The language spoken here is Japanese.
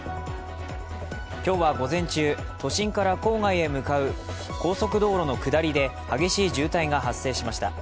今日は午前中、都心から郊外へ向かう、高速道路の下りで激しい渋滞が発生しました。